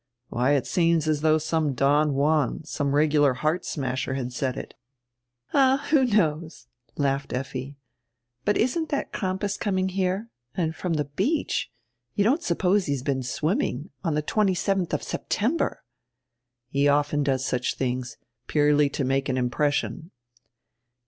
Why, it seems as though some Don Juan, some regular heart smasher had said it." "All, who knows?" laughed Effi. "But isn't that Cram pas coming die re? And from die beach! You don't sup pose he has been swimming? On die 27th of September!" "He often does such diings, purely to make an impres sion."